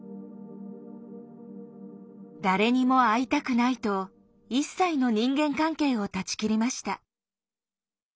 誰にも会いたくないと一切の人間関係を断ち切りました。